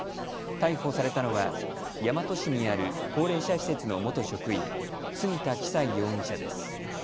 逮捕されたのは大和市にある高齢者施設の元職員、杉田企才容疑者です。